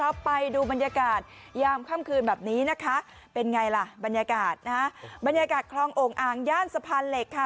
บรรยากาศนะฮะบรรยากาศคลององอ่างย่านสะพานเหล็กค่ะ